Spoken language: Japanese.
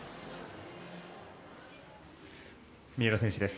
三浦選手です。